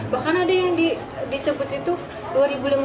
bahkan ada yang disebut itu dua lima ratus per jamnya